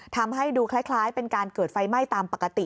ทำให้ดูคล้ายเป็นการเกิดไฟไหม้ตามปกติ